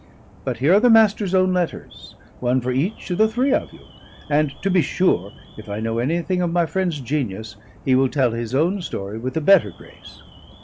But here are the Master's own letters; one for each of the three of you; and to be sure (if I know anything of my friend's genius) he will tell his own story with a better grace."